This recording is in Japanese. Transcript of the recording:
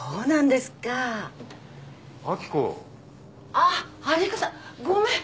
あっ春彦さん。ごめん。